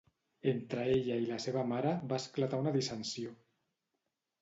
Entre ella i la seva mare va esclatar una dissensió.